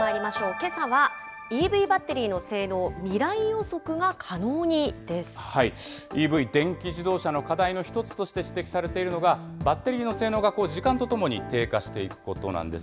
けさはＥＶバッテリーの性能、未ＥＶ・電気自動車の課題の一つとして指摘されているのが、バッテリーの性能が時間とともに低下していくということなんです。